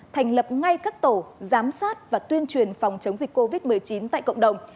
thành lập ngay các tổ giám sát và tuyên truyền phòng chống dịch covid một mươi chín tại cộng đồng